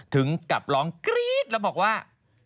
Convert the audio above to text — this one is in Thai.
ถึงกับร้องกรี๊ดแล้วบอกว่า